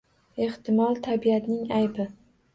Ehtimol tabiatning aybi